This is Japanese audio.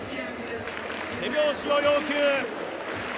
手拍子を要求。